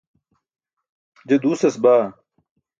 je duusas baa